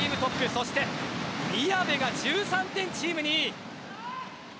そして宮部が１３点チーム２位。